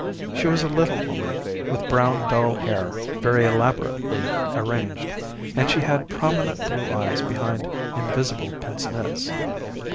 She was a little woman, with brown, dull hair very elaborately arranged, and she had prominent blue eyes behind invisible pince nez.